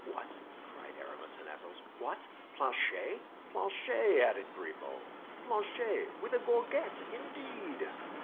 "What!" cried Aramis and Athos, "what! Planchet!" "Planchet," added Grimaud; "Planchet, with a gorget, indeed!"